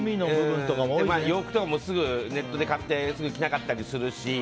洋服とかもすぐネットで買って着なかったりするし。